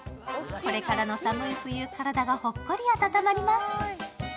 これからの寒い冬、体がほっこり温まります。